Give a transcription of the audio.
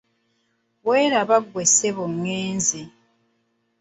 Weeraba ggwe ssebo ngenze.